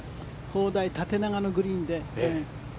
砲台、縦長のグリーンで。